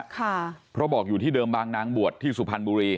ค่ะเพราะบอกอยู่ที่เดิมบางนางบวชที่สุพรรณบุรี